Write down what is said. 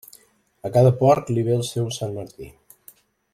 A cada porc li ve el seu Sant Martí.